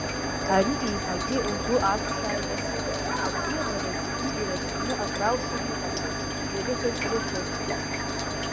Ари еиҳагьы лгәы арԥшааит Асида, абзиабара зегьы ирыцкны акралшо иҟандаз, ирыхьыз рыхьуазма!